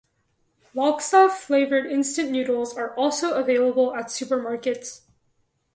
Laksa flavoured instant noodles are also available at supermarkets.